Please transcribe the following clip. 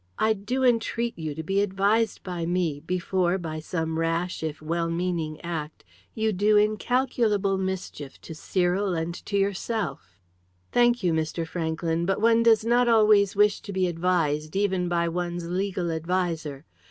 I do entreat you to be advised by me before, by some rash, if well meaning act, you do incalculable mischief to Cyril and yourself." "Thank you, Mr. Franklyn, but one does not always wish to be advised even by one's legal adviser.